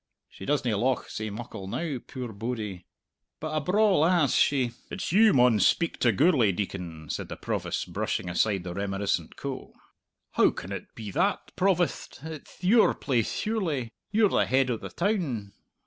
She doesna lauch sae muckle now, puir bodie! But a braw lass she " "It's you maun speak to Gourlay, Deacon," said the Provost, brushing aside the reminiscent Coe. "How can it be that, Provost? It'th your place, surely. You're the head of the town!"